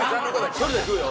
「１人で食うよ！」